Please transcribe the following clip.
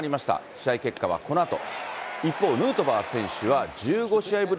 試合結果はこのあと。